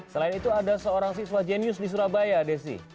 selain itu ada seorang siswa jenius di surabaya desi